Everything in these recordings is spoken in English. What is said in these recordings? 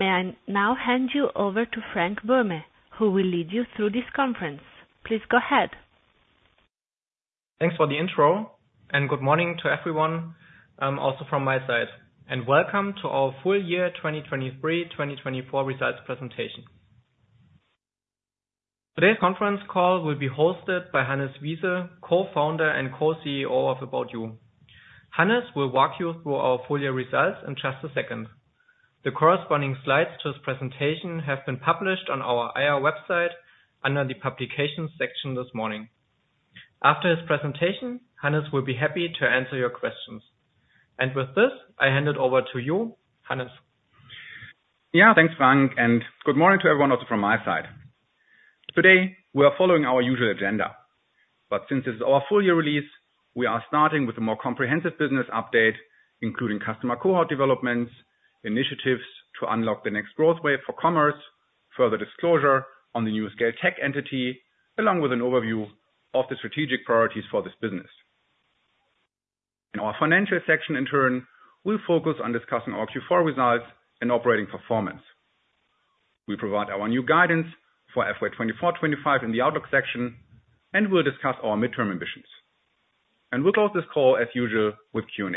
May I now hand you over to Frank Böhme, who will lead you through this conference. Please go ahead. Thanks for the intro, and good morning to everyone also from my side. Welcome to our full year 2023-2024 results presentation. Today's conference call will be hosted by Hannes Wiese, co-founder and co-CEO of About You. Hannes will walk you through our full year results in just a second. The corresponding slides to his presentation have been published on our IR website under the Publications section this morning. After his presentation, Hannes will be happy to answer your questions. With this, I hand it over to you, Hannes. Yeah, thanks, Frank. Good morning to everyone also from my side. Today we are following our usual agenda. But since this is our full year release, we are starting with a more comprehensive business update, including customer cohort developments, initiatives to unlock the next growth wave for commerce, further disclosure on the new SCAYLE tech entity, along with an overview of the strategic priorities for this business. In our financial section, in turn, we'll focus on discussing our Q4 results and operating performance. We provide our new guidance for FY 2024-25 in the Outlook section, and we'll discuss our midterm ambitions. We'll close this call as usual with Q&A.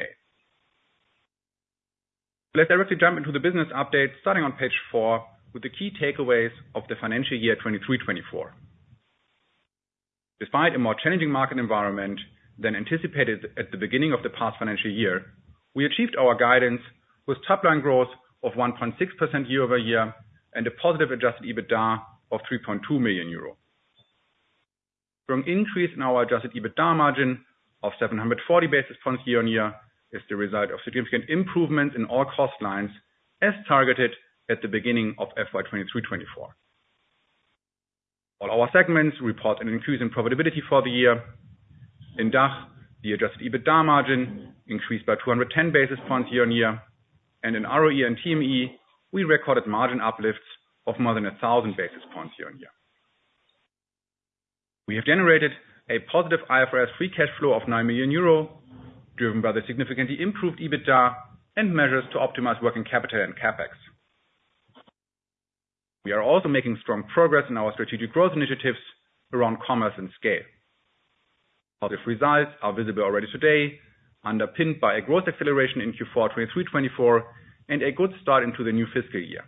Let's directly jump into the business update, starting on page 4 with the key takeaways of the financial year 2023-24. Despite a more challenging market environment than anticipated at the beginning of the past financial year, we achieved our guidance with top-line growth of 1.6% year-over-year and a positive adjusted EBITDA of 3.2 million euro. Strong increase in our adjusted EBITDA margin of 740 basis points year-on-year is the result of significant improvements in all cost lines as targeted at the beginning of FY 2023-24. All our segments report an increase in profitability for the year. In DACH, the adjusted EBITDA margin increased by 210 basis points year-on-year. In ROE and TME, we recorded margin uplifts of more than 1,000 basis points year-on-year. We have generated a positive IFRS free cash flow of 9 million euro driven by the significantly improved EBITDA and measures to optimize working capital and CapEx. We are also making strong progress in our strategic growth initiatives around commerce and scale. Positive results are visible already today, underpinned by a growth acceleration in Q4 2023-2024 and a good start into the new fiscal year.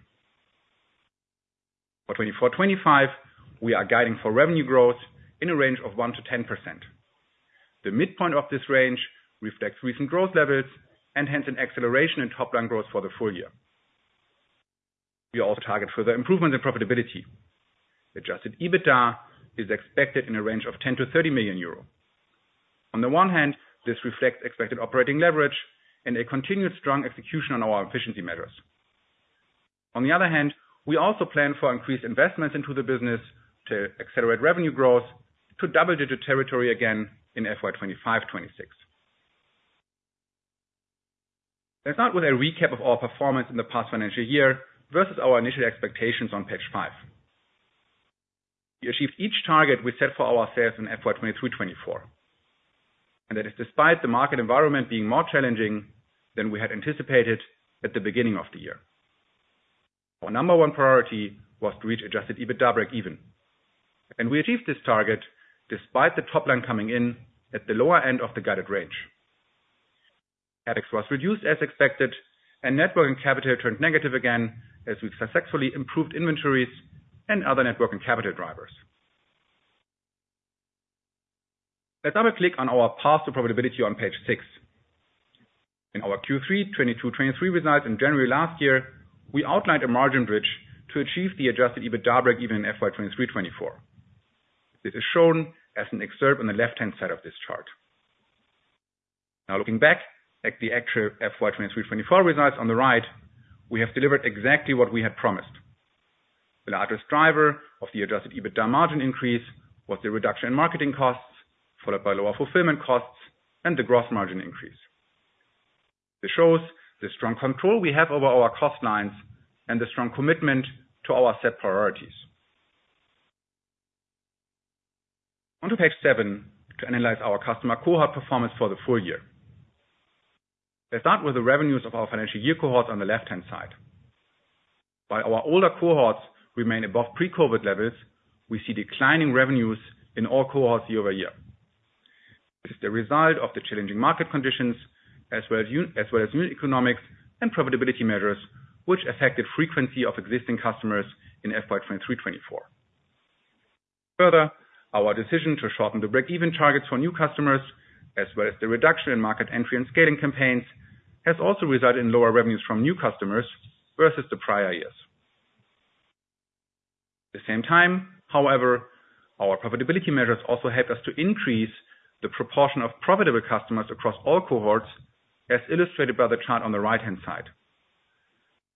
For 2024-2025, we are guiding for revenue growth in a range of 1%-10%. The midpoint of this range reflects recent growth levels and hence an acceleration in top-line growth for the full year. We also target further improvements in profitability. Adjusted EBITDA is expected in a range of 10 million-30 million euro. On the one hand, this reflects expected operating leverage and a continued strong execution on our efficiency measures. On the other hand, we also plan for increased investments into the business to accelerate revenue growth to double-digit territory again in FY 2025-2026. Let's start with a recap of our performance in the past financial year versus our initial expectations on page 5. We achieved each target we set for ourselves in FY 2023-24. That is despite the market environment being more challenging than we had anticipated at the beginning of the year. Our number one priority was to reach adjusted EBITDA break-even. We achieved this target despite the top-line coming in at the lower end of the guided range. CapEx was reduced as expected, and net working capital turned negative again as we successfully improved inventories and other net working capital drivers. Let's double-click on our path to profitability on page 6. In our Q3 2022-23 results in January last year, we outlined a margin bridge to achieve the adjusted EBITDA break-even in FY 2023-24. This is shown as an excerpt on the left-hand side of this chart. Now looking back at the actual FY 2023-2024 results on the right, we have delivered exactly what we had promised. The largest driver of the Adjusted EBITDA margin increase was the reduction in marketing costs followed by lower fulfillment costs and the gross margin increase. This shows the strong control we have over our cost lines and the strong commitment to our set priorities. Onto page seven to analyze our customer cohort performance for the full year. Let's start with the revenues of our financial year cohorts on the left-hand side. While our older cohorts remain above pre-COVID levels, we see declining revenues in all cohorts year-over-year. This is the result of the challenging market conditions as well as unit economics and profitability measures, which affected the frequency of existing customers in FY 2023-2024. Further, our decision to shorten the break-even targets for new customers as well as the reduction in market entry and scaling campaigns has also resulted in lower revenues from new customers versus the prior years. At the same time, however, our profitability measures also helped us to increase the proportion of profitable customers across all cohorts, as illustrated by the chart on the right-hand side.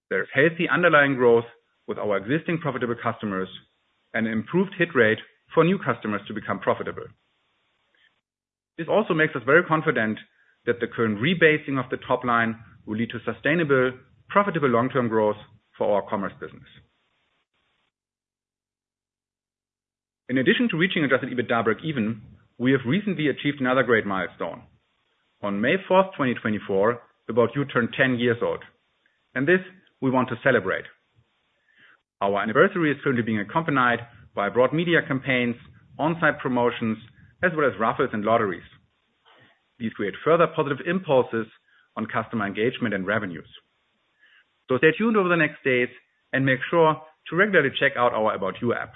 There is healthy underlying growth with our existing profitable customers and an improved hit rate for new customers to become profitable. This also makes us very confident that the current rebasing of the top line will lead to sustainable, profitable long-term growth for our commerce business. In addition to reaching Adjusted EBITDA break-even, we have recently achieved another great milestone. On May 4th, 2024, About You turned 10 years old. And this we want to celebrate. Our anniversary is currently being accompanied by broad media campaigns, on-site promotions, as well as raffles and lotteries. These create further positive impulses on customer engagement and revenues. Stay tuned over the next days and make sure to regularly check out our ABOUT YOU app.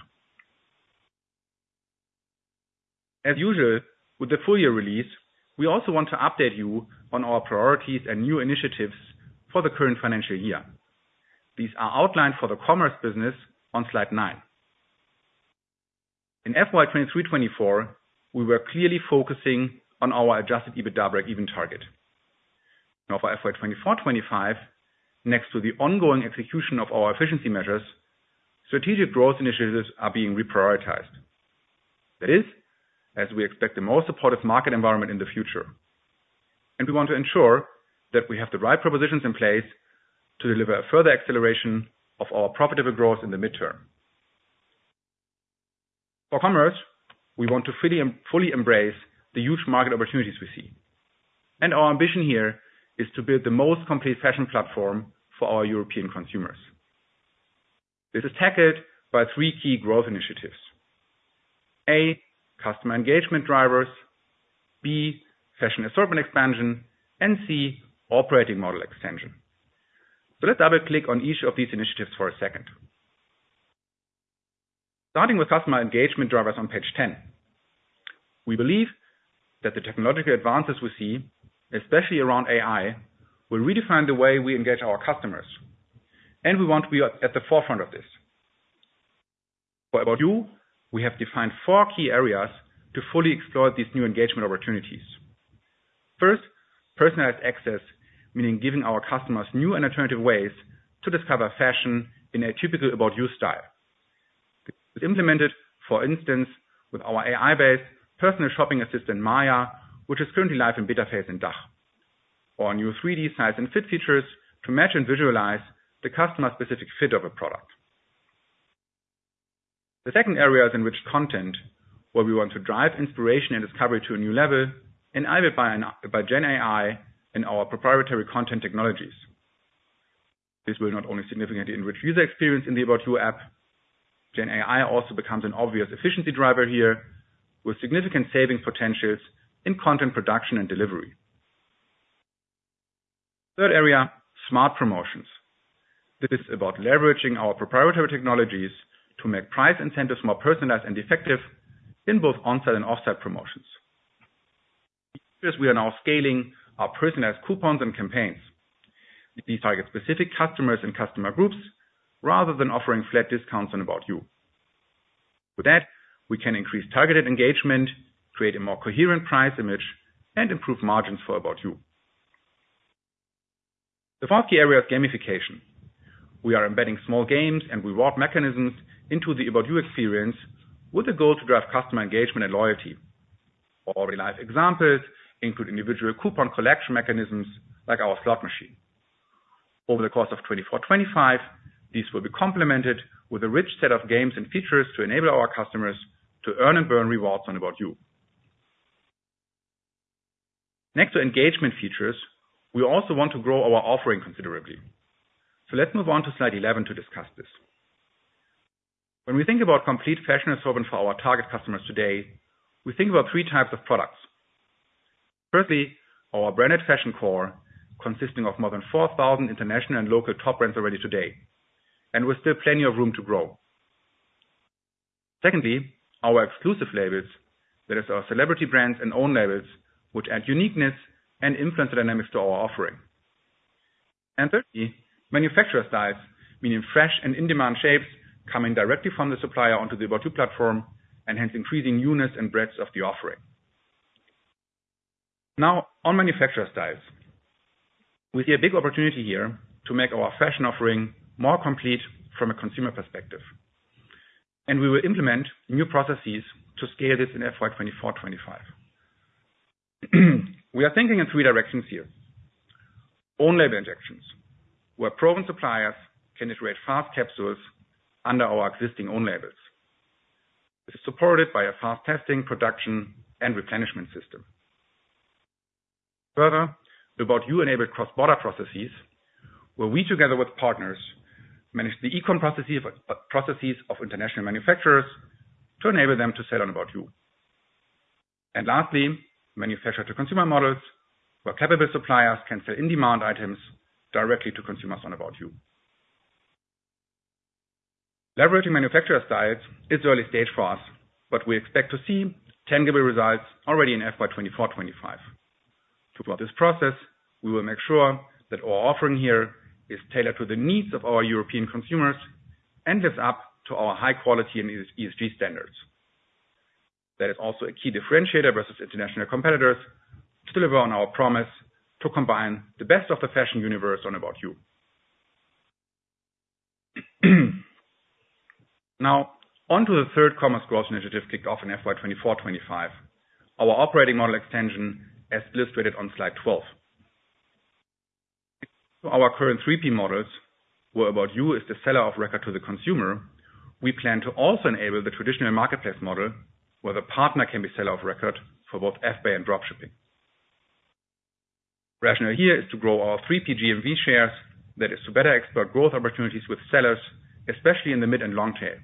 As usual, with the full year release, we also want to update you on our priorities and new initiatives for the current financial year. These are outlined for the commerce business on slide nine. In FY 2023-2024, we were clearly focusing on our Adjusted EBITDA break-even target. Now for FY 2024-2025, next to the ongoing execution of our efficiency measures, strategic growth initiatives are being reprioritized. That is, as we expect the most supportive market environment in the future. We want to ensure that we have the right propositions in place to deliver further acceleration of our profitable growth in the midterm. For commerce, we want to fully embrace the huge market opportunities we see. Our ambition here is to build the most complete fashion platform for our European consumers. This is tackled by three key growth initiatives: A, customer engagement drivers, B, fashion assortment expansion, and C, operating model extension. Let's double-click on each of these initiatives for a second. Starting with customer engagement drivers on page 10, we believe that the technological advances we see, especially around AI, will redefine the way we engage our customers. We want to be at the forefront of this. For About You, we have defined four key areas to fully explore these new engagement opportunities. First, personalized access, meaning giving our customers new and alternative ways to discover fashion in a typical About You style. This is implemented, for instance, with our AI-based personal shopping assistant, Maya, which is currently live in beta phase in DACH. Our new 3D size and fit features to match and visualize the customer-specific fit of a product. The second area is enriched content, where we want to drive inspiration and discovery to a new level enabled by GenAI and our proprietary content technologies. This will not only significantly enrich user experience in the About You app. GenAI also becomes an obvious efficiency driver here with significant savings potentials in content production and delivery. Third area, smart promotions. This is about leveraging our proprietary technologies to make price incentives more personalized and effective in both on-site and off-site promotions. We are now scaling our personalized coupons and campaigns. These target specific customers and customer groups rather than offering flat discounts on About You. With that, we can increase targeted engagement, create a more coherent price image, and improve margins for About You. The fourth key area is gamification. We are embedding small games and reward mechanisms into the About You experience with the goal to drive customer engagement and loyalty. Already live examples include individual coupon collection mechanisms like our slot machine. Over the course of 2024-2025, these will be complemented with a rich set of games and features to enable our customers to earn and burn rewards on About You. Next to engagement features, we also want to grow our offering considerably. Let's move on to slide 11 to discuss this. When we think about complete fashion assortment for our target customers today, we think about three types of products. Firstly, our branded fashion core, consisting of more than 4,000 international and local top brands already today, and with still plenty of room to grow. Secondly, our exclusive labels, that is, our celebrity brands and own labels, which add uniqueness and influence dynamics to our offering. Thirdly, manufacturer styles, meaning fresh and in-demand shapes coming directly from the supplier onto the ABOUT YOU platform and hence increasing newness and breadth of the offering. Now, on manufacturer styles, we see a big opportunity here to make our fashion offering more complete from a consumer perspective. We will implement new processes to scale this in FY 2024-25. We are thinking in three directions here. Own label injections, where proven suppliers can iterate fast capsules under our existing own labels. This is supported by a fast testing, production, and replenishment system. Further, ABOUT YOU enabled cross-border processes, where we together with partners manage the e-com processes of international manufacturers to enable them to sell on ABOUT YOU. And lastly, manufacturer-to-consumer models, where capable suppliers can sell in-demand items directly to consumers on ABOUT YOU. Leveraging manufacturer styles is early stage for us, but we expect to see tangible results already in FY 2024-25. Throughout this process, we will make sure that our offering here is tailored to the needs of our European consumers and lives up to our high-quality and ESG standards. That is also a key differentiator versus international competitors to deliver on our promise to combine the best of the fashion universe on ABOUT YOU. Now, onto the third commerce growth initiative kicked off in FY 2024-25, our operating model extension as illustrated on slide 12. Our current 3P models, where About You is the seller of record to the consumer, we plan to also enable the traditional marketplace model, where the partner can be seller of record for both FBA and dropshipping. Rationale here is to grow our 3P GMV shares, that is, to better exploit growth opportunities with sellers, especially in the mid and long tail.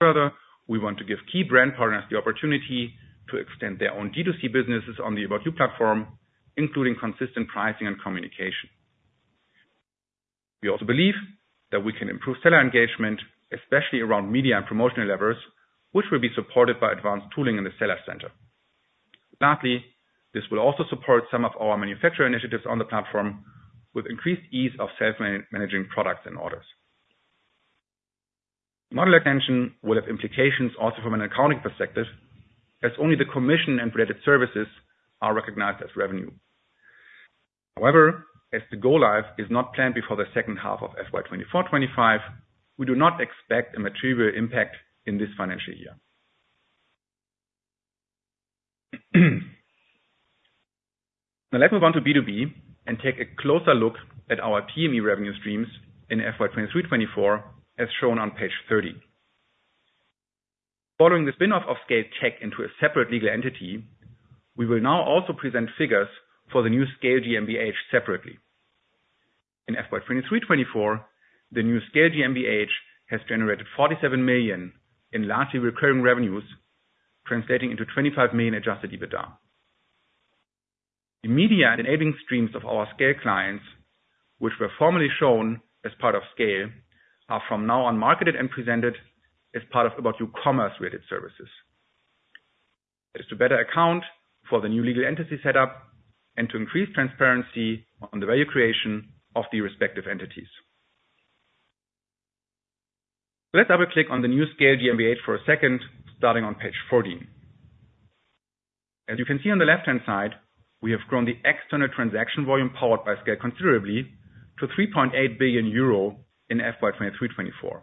Further, we want to give key brand partners the opportunity to extend their own D2C businesses on the About You platform, including consistent pricing and communication. We also believe that we can improve seller engagement, especially around media and promotional levers, which will be supported by advanced tooling in the seller center. Lastly, this will also support some of our manufacturer initiatives on the platform with increased ease of self-managing products and orders. Model extension will have implications also from an accounting perspective, as only the commission and related services are recognized as revenue. However, as the go-live is not planned before the second half of FY 2024-25, we do not expect a material impact in this financial year. Now let's move on to B2B and take a closer look at our TME revenue streams in FY 2023-24, as shown on page 30. Following the spinoff of SCAYLE into a separate legal entity, we will now also present figures for the new SCAYLE GmbH separately. In FY 2023-24, the new SCAYLE GmbH has generated 47 million in largely recurring revenues, translating into 25 million adjusted EBITDA. The media and enabling streams of our SCAYLE clients, which were formerly shown as part of SCAYLE, are from now on marketed and presented as part of ABOUT YOU commerce-related services. That is to better account for the new legal entity setup and to increase transparency on the value creation of the respective entities. Let's double-click on the new SCAYLE GmbH for a second, starting on page 14. As you can see on the left-hand side, we have grown the external transaction volume powered by SCAYLE considerably to 3.8 billion euro in FY 2023-24.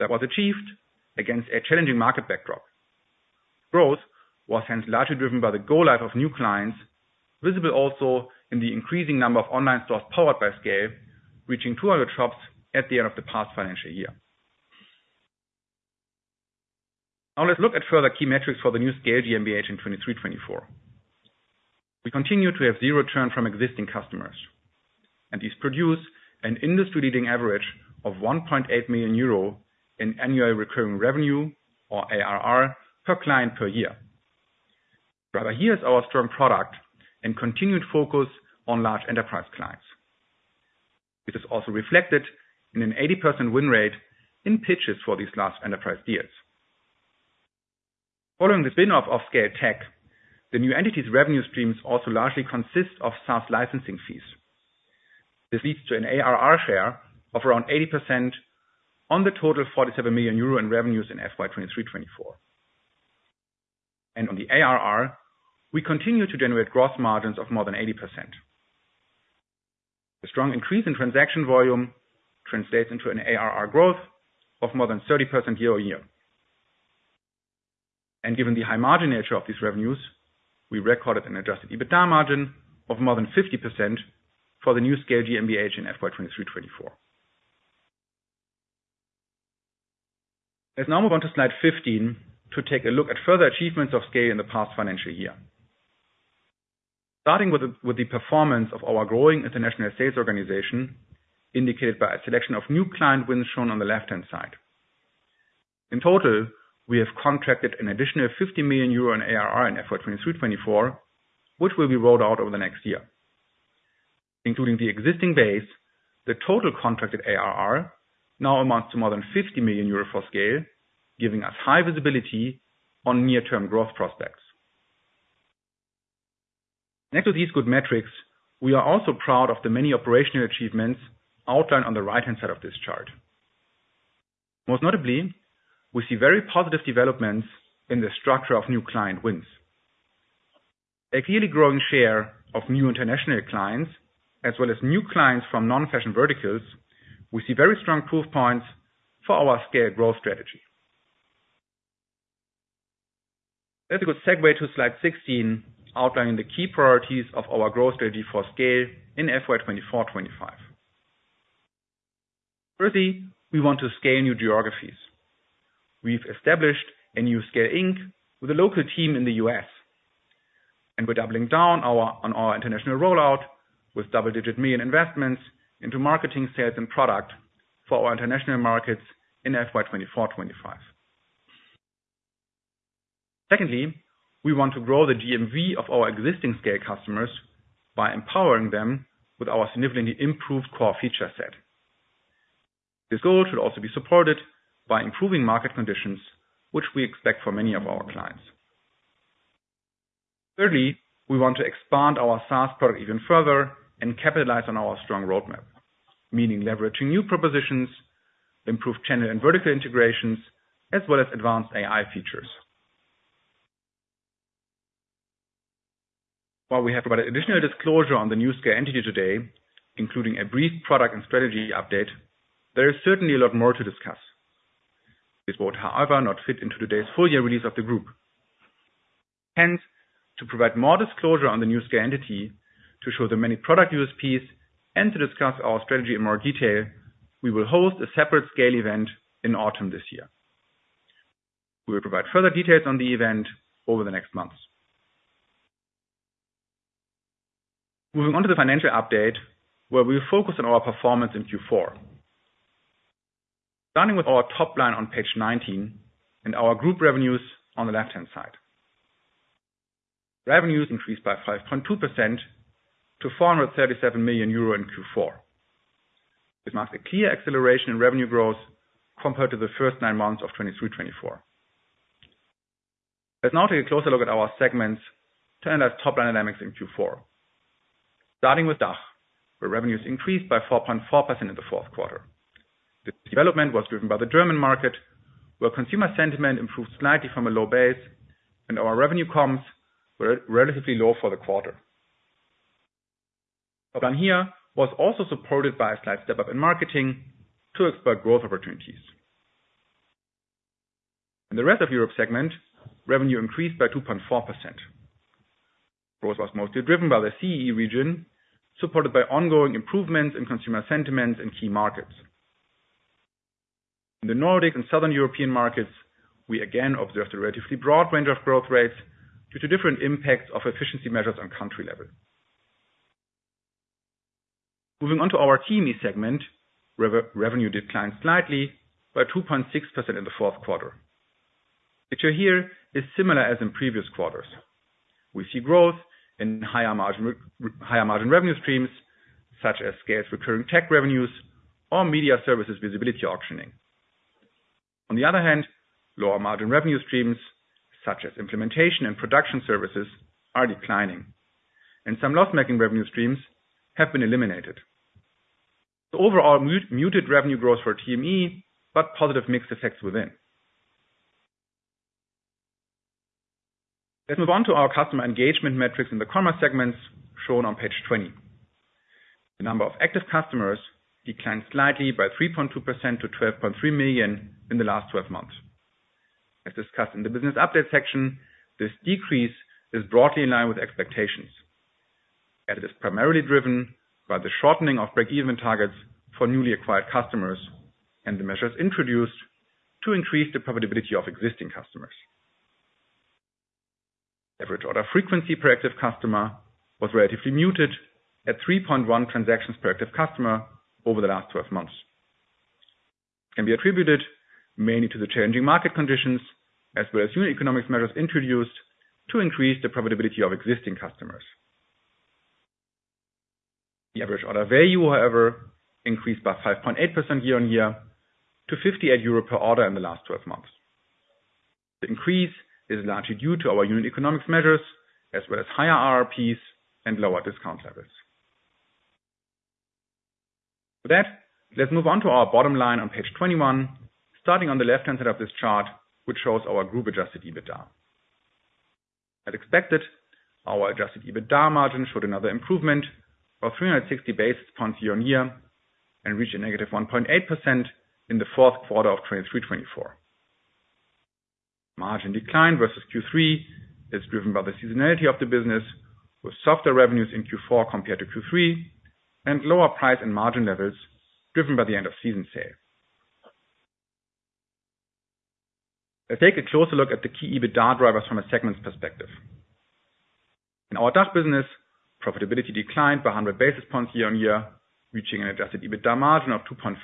That was achieved against a challenging market backdrop. Growth was hence largely driven by the go-live of new clients, visible also in the increasing number of online stores powered by SCAYLE, reaching 200 shops at the end of the past financial year. Now let's look at further key metrics for the new SCAYLE GmbH in 2023-24. We continue to have zero return from existing customers. These produce an industry-leading average of 1.8 million euro in annual recurring revenue, or ARR, per client per year. Rather, here is our strong product and continued focus on large enterprise clients. This is also reflected in an 80% win rate in pitches for these large enterprise deals. Following the spinoff of SCAYLE, the new entity's revenue streams also largely consist of SaaS licensing fees. This leads to an ARR share of around 80% on the total 47 million euro in revenues in FY 2023-24. On the ARR, we continue to generate gross margins of more than 80%. A strong increase in transaction volume translates into an ARR growth of more than 30% year-over-year. Given the high margin nature of these revenues, we recorded an adjusted EBITDA margin of more than 50% for the new SCAYLE GmbH in FY 2023-24. Let's now move on to slide 15 to take a look at further achievements of SCAYLE in the past financial year. Starting with the performance of our growing international sales organization, indicated by a selection of new client wins shown on the left-hand side. In total, we have contracted an additional 50 million euro in ARR in FY 2023-2024, which will be rolled out over the next year. Including the existing base, the total contracted ARR now amounts to more than 50 million euro for SCAYLE, giving us high visibility on near-term growth prospects. Next to these good metrics, we are also proud of the many operational achievements outlined on the right-hand side of this chart. Most notably, we see very positive developments in the structure of new client wins. A clearly growing share of new international clients, as well as new clients from non-fashion verticals. We see very strong proof points for our SCAYLE growth strategy. That's a good segue to slide 16 outlining the key priorities of our growth strategy for SCAYLE in FY 2024-25. Firstly, we want to scale new geographies. We've established a new SCAYLE Inc. with a local team in the U.S. And we're doubling down on our international rollout with double-digit million EUR investments into marketing, sales, and product for our international markets in FY 2024-25. Secondly, we want to grow the GMV of our existing SCAYLE customers by empowering them with our significantly improved core feature set. This goal should also be supported by improving market conditions, which we expect for many of our clients. Thirdly, we want to expand our SaaS product even further and capitalize on our strong roadmap, meaning leveraging new propositions, improved channel and vertical integrations, as well as advanced AI features. While we have provided additional disclosure on the new SCAYLE entity today, including a brief product and strategy update, there is certainly a lot more to discuss. This would, however, not fit into today's full-year release of the group. Hence, to provide more disclosure on the new SCAYLE entity, to show the many product USPs, and to discuss our strategy in more detail, we will host a separate SCAYLE event in autumn this year. We will provide further details on the event over the next months. Moving on to the financial update, where we will focus on our performance in Q4. Starting with our top line on page 19 and our group revenues on the left-hand side. Revenues increased by 5.2% to 437 million euro in Q4. This marks a clear acceleration in revenue growth compared to the first nine months of 2023-2024. Let's now take a closer look at our segments to analyze top line dynamics in Q4. Starting with DACH, where revenues increased by 4.4% in the fourth quarter. This development was driven by the German market, where consumer sentiment improved slightly from a low base, and our revenue comps were relatively low for the quarter. Top line here was also supported by a slight step-up in marketing to exploit growth opportunities. In the rest of Europe segment, revenue increased by 2.4%. Growth was mostly driven by the CEE region, supported by ongoing improvements in consumer sentiments in key markets. In the Nordic and southern European markets, we again observed a relatively broad range of growth rates due to different impacts of efficiency measures on country level. Moving on to our TME segment, revenue declined slightly by 2.6% in the fourth quarter. Picture here is similar as in previous quarters. We see growth in higher margin revenue streams, such as SCAYLE's recurring tech revenues or media services visibility auctioning. On the other hand, lower margin revenue streams, such as implementation and production services, are declining. Some loss-making revenue streams have been eliminated. Overall, muted revenue growth for TME, but positive mixed effects within. Let's move on to our customer engagement metrics in the commerce segments shown on page 20. The number of active customers declined slightly by 3.2% to 12.3 million in the last 12 months. As discussed in the business update section, this decrease is broadly in line with expectations, as it is primarily driven by the shortening of break-even targets for newly acquired customers and the measures introduced to increase the profitability of existing customers. Average order frequency per active customer was relatively muted at 3.1 transactions per active customer over the last 12 months. It can be attributed mainly to the challenging market conditions, as well as unit economics measures introduced to increase the profitability of existing customers. The average order value, however, increased by 5.8% year-on-year to 58 euro per order in the last 12 months. The increase is largely due to our unit economics measures, as well as higher RRPs and lower discount levels. With that, let's move on to our bottom line on page 21, starting on the left-hand side of this chart, which shows our group adjusted EBITDA. As expected, our adjusted EBITDA margin showed another improvement of 360 basis points year-on-year and reached -1.8% in the fourth quarter of 2023-2024. Margin decline versus Q3 is driven by the seasonality of the business, with softer revenues in Q4 compared to Q3 and lower price and margin levels driven by the end-of-season sale. Let's take a closer look at the key EBITDA drivers from a segments perspective. In our DACH business, profitability declined by 100 basis points year-on-year, reaching an adjusted EBITDA margin of 2.5%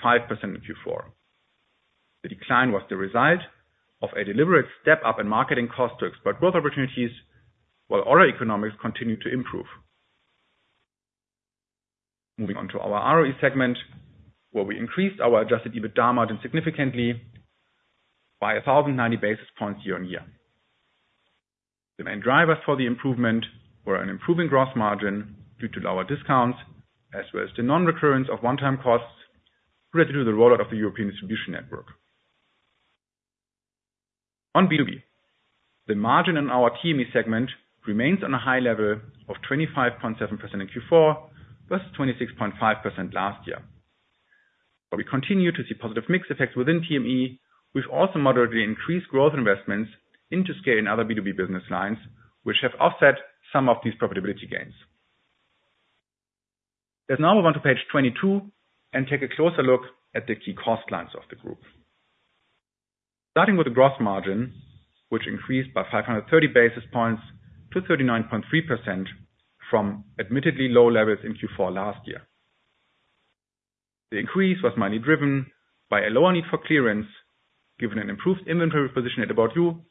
in Q4. The decline was the result of a deliberate step-up in marketing costs to exploit growth opportunities, while order economics continued to improve. Moving on to our ROE segment, where we increased our adjusted EBITDA margin significantly by 1,090 basis points year-on-year. The main drivers for the improvement were an improving gross margin due to lower discounts, as well as the non-recurrence of one-time costs related to the rollout of the European distribution network. On B2B, the margin in our TME segment remains on a high level of 25.7% in Q4 versus 26.5% last year. While we continue to see positive mixed effects within TME, we've also moderately increased growth investments into SCAYLE in other B2B business lines, which have offset some of these profitability gains. Let's now move on to page 22 and take a closer look at the key cost lines of the group. Starting with the gross margin, which increased by 530 basis points to 39.3% from admittedly low levels in Q4 last year. The increase was mainly driven by a lower need for clearance, given an improved inventory position at ABOUT YOU,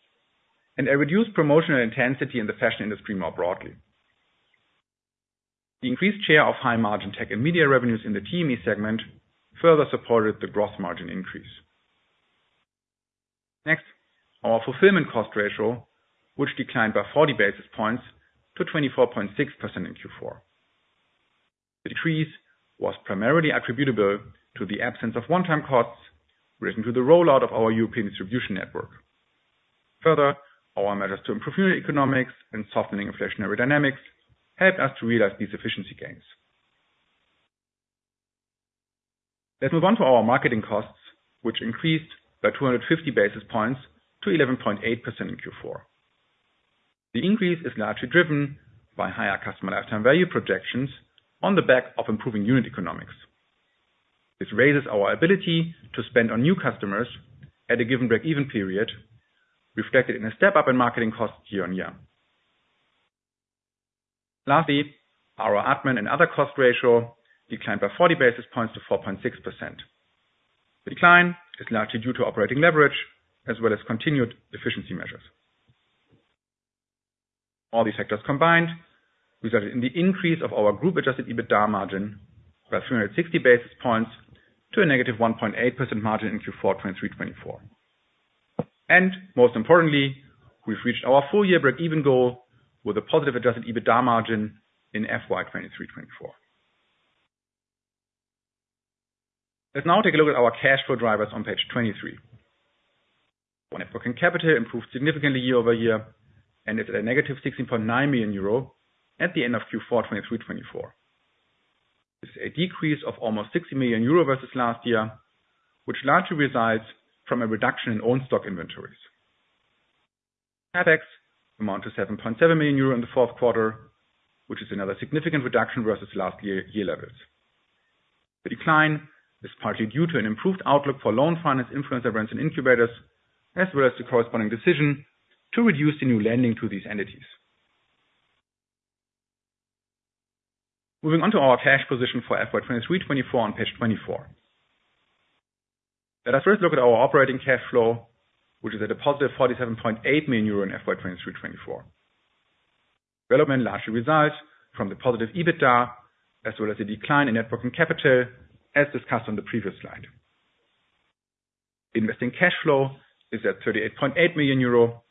and a reduced promotional intensity in the fashion industry more broadly. The increased share of high margin tech and media revenues in the TME segment further supported the gross margin increase. Next, our fulfillment cost ratio, which declined by 40 basis points to 24.6% in Q4. The decrease was primarily attributable to the absence of one-time costs written to the rollout of our European distribution network. Further, our measures to improve unit economics and softening inflationary dynamics helped us to realize these efficiency gains. Let's move on to our marketing costs, which increased by 250 basis points to 11.8% in Q4. The increase is largely driven by higher customer lifetime value projections on the back of improving unit economics. This raises our ability to spend on new customers at a given break-even period, reflected in a step-up in marketing costs year-on-year. Lastly, our admin and other cost ratio declined by 40 basis points to 4.6%. The decline is largely due to operating leverage, as well as continued efficiency measures. All these factors combined resulted in the increase of our group Adjusted EBITDA margin by 360 basis points to a negative 1.8% margin in Q4 2023-24. And most importantly, we've reached our full-year break-even goal with a positive Adjusted EBITDA margin in FY 2023-24. Let's now take a look at our cash flow drivers on page 23. Net working capital improved significantly year-over-year, and it's at a negative 16.9 million euro at the end of Q4 2023-24. This is a decrease of almost 60 million euro versus last year, which largely results from a reduction in own stock inventories. CapEx amounted to 7.7 million euro in the fourth quarter, which is another significant reduction versus last year levels. The decline is partly due to an improved outlook for loan financing influencer brands and incubators, as well as the corresponding decision to reduce the new lending to these entities. Moving on to our cash position for FY 2023-2024 on page 24. Let us first look at our operating cash flow, which is at a positive 47.8 million euro in FY 2023-2024. Development largely results from the positive EBITDA, as well as the decline in net working capital, as discussed on the previous slide. Investing cash flow is at 38.8 million euro,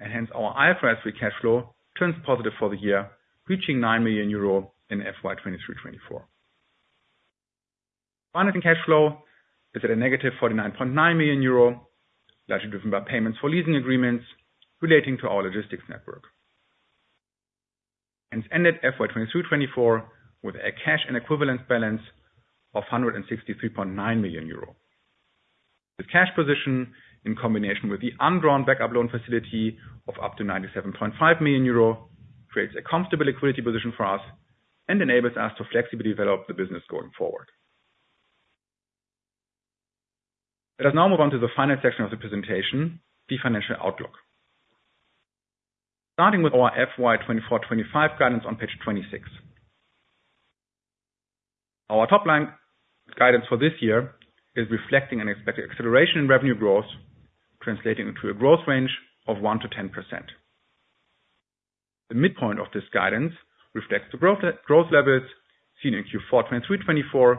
and hence our IFRS free cash flow turns positive for the year, reaching 9 million euro in FY 2023-2024. Financing cash flow is at a negative 49.9 million euro, largely driven by payments for leasing agreements relating to our logistics network. Hence, ended FY 2023-2024 with a cash and equivalents balance of 163.9 million euro. This cash position, in combination with the undrawn backup loan facility of up to 97.5 million euro, creates a comfortable liquidity position for us and enables us to flexibly develop the business going forward. Let us now move on to the final section of the presentation, the financial outlook. Starting with our FY 2024-25 guidance on page 26. Our top line guidance for this year is reflecting an expected acceleration in revenue growth, translating into a growth range of 1%-10%. The midpoint of this guidance reflects the growth levels seen in Q4 2023-24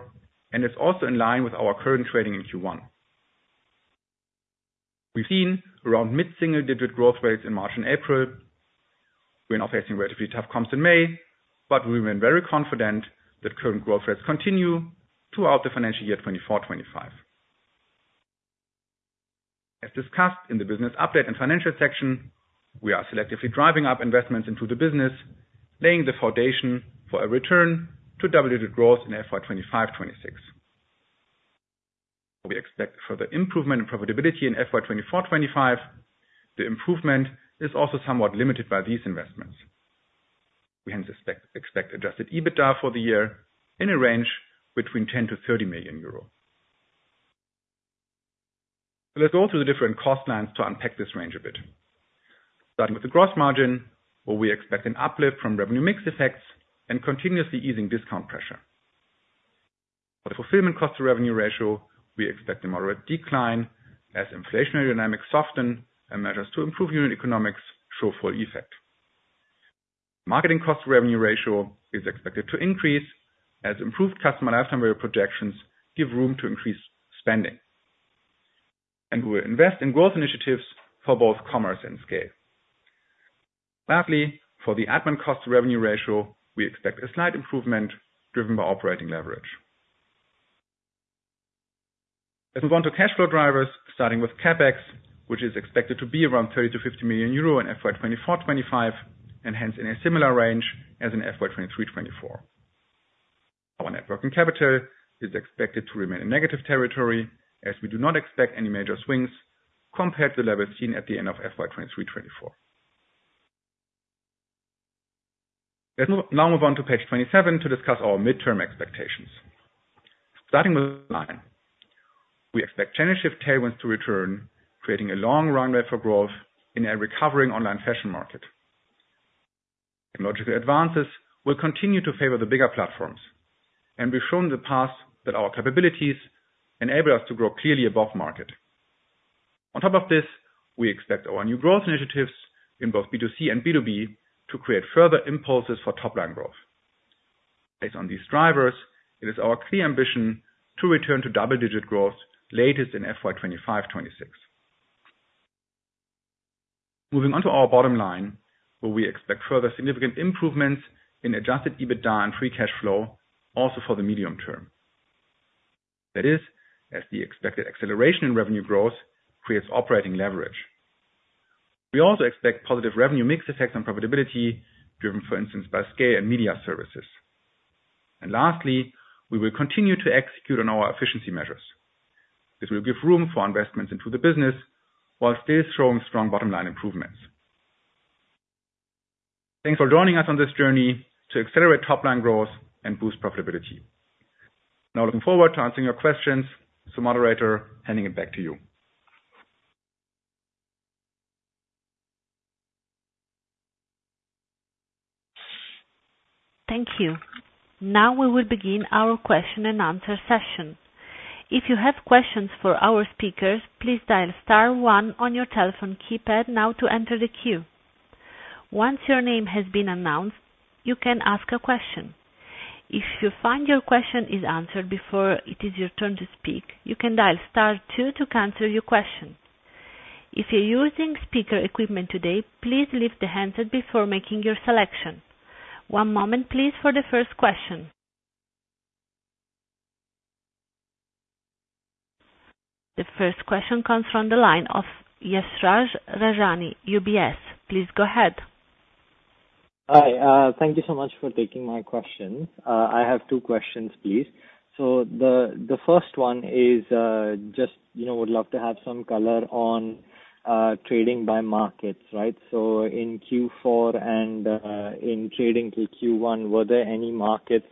and is also in line with our current trading in Q1. We've seen around mid-single digit growth rates in March and April. We're now facing relatively tough comps in May, but we remain very confident that current growth rates continue throughout the financial year 2024-25. As discussed in the business update and financial section, we are selectively driving up investments into the business, laying the foundation for a return to double-digit growth in FY 2025-26. We expect further improvement in profitability in FY 2024-25. The improvement is also somewhat limited by these investments. We hence expect Adjusted EBITDA for the year in a range between 10 million to 30 million euro. Let's go through the different cost lines to unpack this range a bit. Starting with the gross margin, where we expect an uplift from revenue mix effects and continuously easing discount pressure. For the fulfillment cost to revenue ratio, we expect a moderate decline, as inflationary dynamics soften and measures to improve unit economics show full effect. Marketing cost to revenue ratio is expected to increase, as improved customer lifetime value projections give room to increase spending. We will invest in growth initiatives for both commerce and SCAYLE. Lastly, for the admin cost to revenue ratio, we expect a slight improvement driven by operating leverage. Let's move on to cash flow drivers, starting with CapEx, which is expected to be around 30 million-50 million euro in FY 2024-25 and hence in a similar range as in FY 2023-24. Our net working capital is expected to remain in negative territory, as we do not expect any major swings compared to the levels seen at the end of FY 2023-24. Let's now move on to page 27 to discuss our mid-term expectations. Starting with the line, we expect channel shift tailwinds to return, creating a long runway for growth in a recovering online fashion market. Technological advances will continue to favor the bigger platforms, and we've shown in the past that our capabilities enable us to grow clearly above market. On top of this, we expect our new growth initiatives in both B2C and B2B to create further impulses for top-line growth. Based on these drivers, it is our clear ambition to return to double-digit growth latest in FY 2025-26. Moving on to our bottom line, where we expect further significant improvements in Adjusted EBITDA and Free Cash Flow, also for the medium term. That is, as the expected acceleration in revenue growth creates operating leverage. We also expect positive revenue mix effects on profitability, driven, for instance, by scale and media services. And lastly, we will continue to execute on our efficiency measures. This will give room for investments into the business while still showing strong bottom line improvements. Thanks for joining us on this journey to accelerate top-line growth and boost profitability. Now, looking forward to answering your questions. So, moderator, handing it back to you. Thank you. Now we will begin our question and answer session. If you have questions for our speakers, please dial star one on your telephone keypad now to enter the queue. Once your name has been announced, you can ask a question. If you find your question is answered before it is your turn to speak, you can dial star two to answer your question. If you're using speaker equipment today, please lift the handset before making your selection. One moment, please, for the first question. The first question comes from the line of Yashraj Rajani, UBS. Please go ahead. Hi. Thank you so much for taking my question. I have two questions, please. So the first one is just would love to have some color on trading by markets, right? So in Q4 and in trading till Q1, were there any markets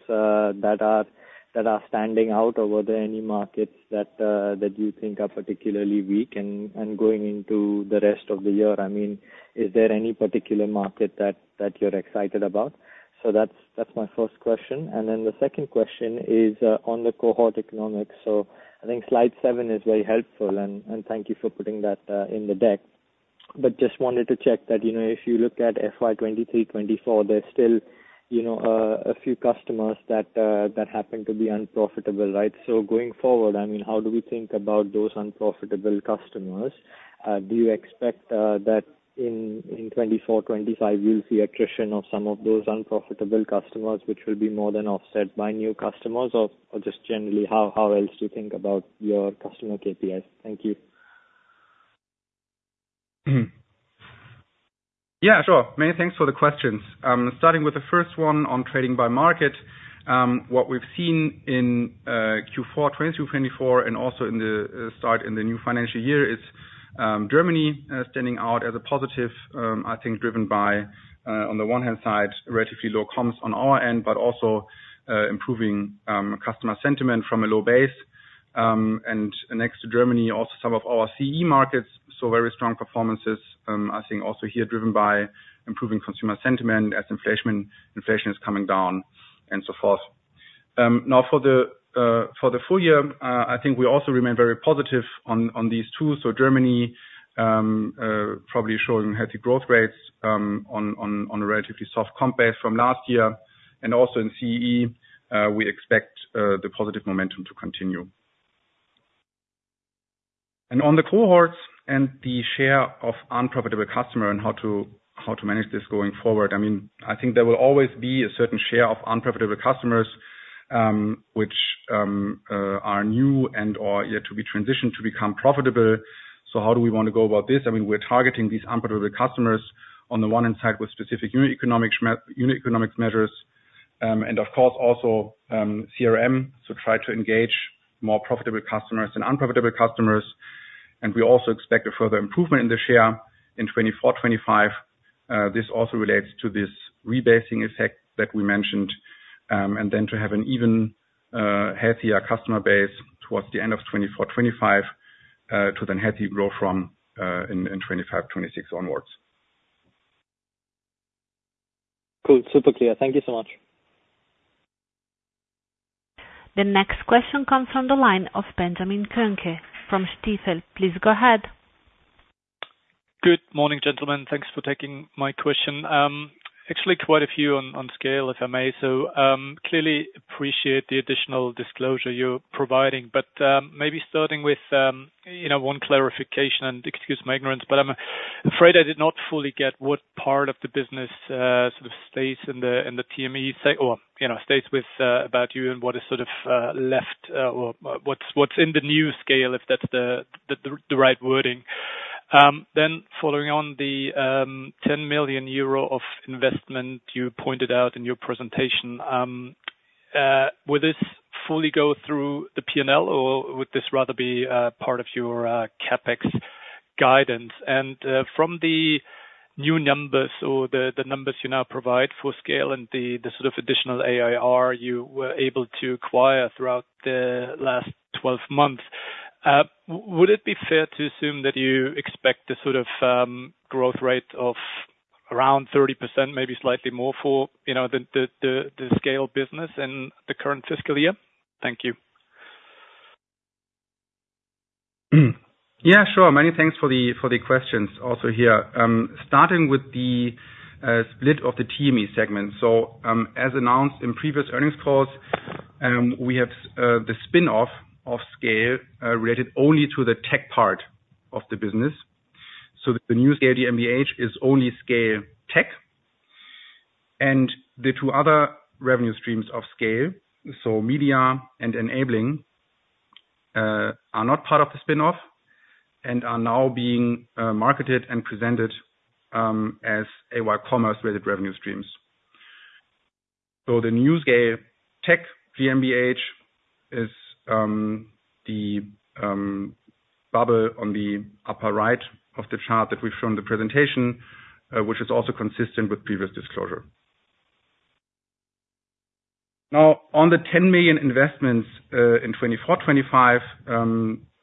that are standing out, or were there any markets that you think are particularly weak and going into the rest of the year? I mean, is there any particular market that you're excited about? So that's my first question. And then the second question is on the cohort economics. So I think slide seven is very helpful, and thank you for putting that in the deck. But just wanted to check that if you look at FY 2023-2024, there's still a few customers that happen to be unprofitable, right? So going forward, I mean, how do we think about those unprofitable customers? Do you expect that in 2024-2025, you'll see attrition of some of those unprofitable customers, which will be more than offset by new customers, or just generally, how else do you think about your customer KPIs? Thank you. Yeah, sure. Many thanks for the questions. Starting with the first one on trading by market, what we've seen in Q4 2023-2024 and also start in the new financial year is Germany standing out as a positive, I think, driven by, on the one hand side, relatively low comps on our end, but also improving customer sentiment from a low base. Next to Germany, also some of our CEE markets, so very strong performances, I think, also here driven by improving consumer sentiment as inflation is coming down and so forth. Now, for the full year, I think we also remain very positive on these two. So Germany probably showing healthy growth rates on a relatively soft comp base from last year. And also in CEE, we expect the positive momentum to continue. And on the cohorts and the share of unprofitable customers and how to manage this going forward, I mean, I think there will always be a certain share of unprofitable customers, which are new and/or yet to be transitioned to become profitable. So how do we want to go about this? I mean, we're targeting these unprofitable customers on the one hand side with specific unit economics measures and, of course, also CRM, so try to engage more profitable customers and unprofitable customers. And we also expect a further improvement in the share in 2024-2025. This also relates to this rebasing effect that we mentioned and then to have an even healthier customer base towards the end of 2024-2025 to then healthy growth from in 2025-2026 onwards. Cool. Super clear. Thank you so much. The next question comes from the line of Benjamin Kohnke from Stifel. Please go ahead. Good morning, gentlemen. Thanks for taking my question. Actually, quite a few on SCAYLE, if I may. So clearly appreciate the additional disclosure you're providing. But maybe starting with one clarification and excuse my ignorance, but I'm afraid I did not fully get what part of the business sort of stays in the TME or stays with ABOUT YOU and what is sort of left or what's in the new SCAYLE, if that's the right wording. Then following on, the 10 million euro of investment you pointed out in your presentation, will this fully go through the P&L, or would this rather be part of your CapEx guidance? From the new numbers or the numbers you now provide for SCAYLE and the sort of additional ARR you were able to acquire throughout the last 12 months, would it be fair to assume that you expect a sort of growth rate of around 30%, maybe slightly more for the SCAYLE business in the current fiscal year? Thank you. Yeah, sure. Many thanks for the questions also here. Starting with the split of the TME segment. So as announced in previous earnings calls, we have the spin-off of SCAYLE related only to the tech part of the business. So the new SCAYLE, the GmbH, is only SCAYLE tech. And the two other revenue streams of SCAYLE, so media and enabling, are not part of the spin-off and are now being marketed and presented as AY Commerce-related revenue streams. So the new SCAYLE GmbH is the bubble on the upper right of the chart that we've shown in the presentation, which is also consistent with previous disclosure. Now, on the 10 million investments in 2024-25,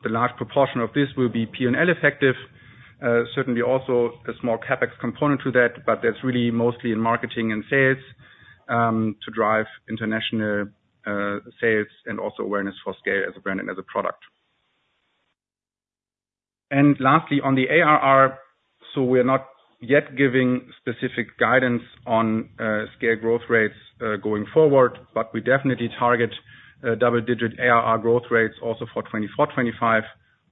the large proportion of this will be P&L effective, certainly also a small CapEx component to that, but that's really mostly in marketing and sales to drive international sales and also awareness for SCAYLE as a brand and as a product. And lastly, on the ARR, so we're not yet giving specific guidance on SCAYLE growth rates going forward, but we definitely target double-digit ARR growth rates also for 2024-25,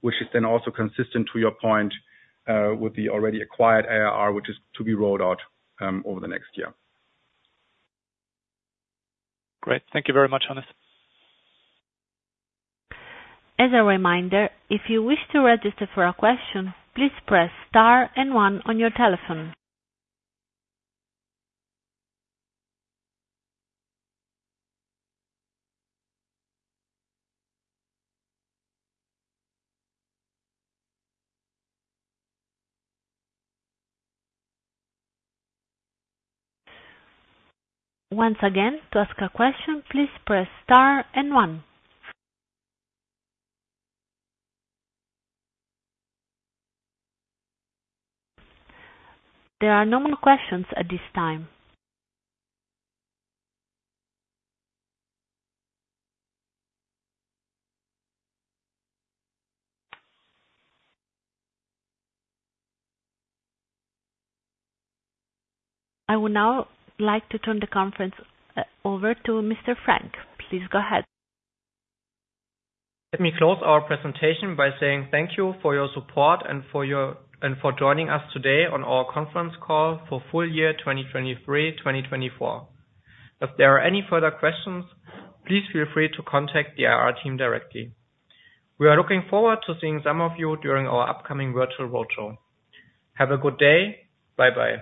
which is then also consistent to your point with the already acquired ARR, which is to be rolled out over the next year. Great. Thank you very much, Hannes. As a reminder, if you wish to register for a question, please press star and one on your telephone. Once again, to ask a question, please press star and one. There are no more questions at this time. I would now like to turn the conference over to Mr. Frank. Please go ahead. Let me close our presentation by saying thank you for your support and for joining us today on our conference call for full year 2023-2024. If there are any further questions, please feel free to contact the IR team directly. We are looking forward to seeing some of you during our upcoming virtual roadshow. Have a good day. Bye-bye.